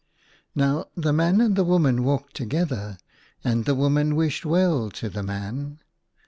Now, the man and woman walked together ; and the woman wished well to the man.